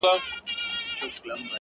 ستا هره گيله مي لا په ياد کي ده،